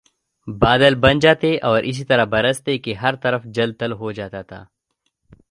بادل بن جاتے اور اس طرح برستے کہ ہر طرف جل تھل ہو جاتا تھا